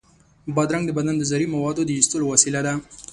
بادرنګ د بدن د زهري موادو د ایستلو وسیله ده.